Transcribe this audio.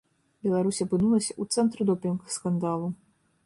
Беларусь апынулася ў цэнтры допінг-скандалу.